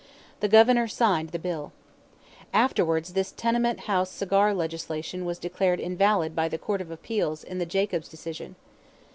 The Governor signed the bill. Afterwards this tenement house cigar legislation was declared invalid by the Court of Appeals in the Jacobs decision.